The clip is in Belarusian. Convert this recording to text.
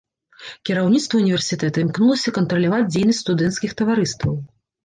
Кіраўніцтва ўніверсітэта імкнулася кантраляваць дзейнасць студэнцкіх таварыстваў.